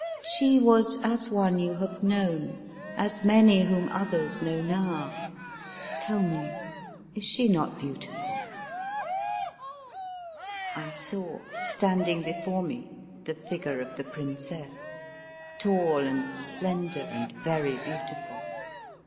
She was as one you have known, as many whom others know now. Tell me, is she not beautiful?" I saw standing before me the figure of the princess, tall and slender and very beautiful.